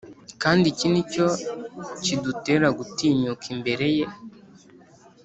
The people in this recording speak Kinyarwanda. Kandi iki ni cyo kidutera gutinyuka imbere ye: